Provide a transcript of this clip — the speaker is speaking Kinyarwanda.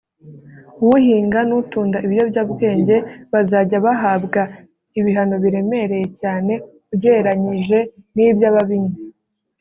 uhinga n’utunda ibiyobyabwenge bazajya bahabwa ibihano biremereye cyane ugereranije n’iby’ababinywa”